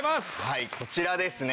はいこちらですね。